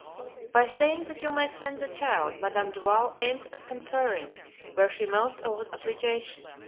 By saying that you may send the child, Madame Duval aims at conferring, where she most owes obligation.